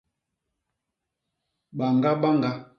Bañga bañga.